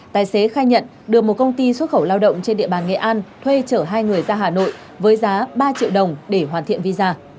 tài xế khai nhận được một công ty xuất khẩu lao động trên địa bàn nghệ an thuê chở hai người ra hà nội với giá ba triệu đồng để hoàn thiện visa